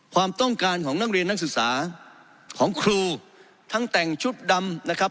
ความต้องการของนักเรียนนักศึกษาของครูทั้งแต่งชุดดำนะครับ